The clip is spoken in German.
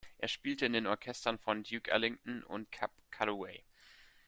Er spielte in den Orchestern von Duke Ellington und Cab Calloway.